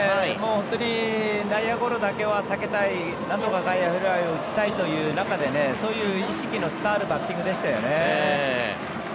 本当に内野ゴロだけは避けたいなんとか外野フライを打ちたいという中でそういう意識の伝わるバッティングでしたよね。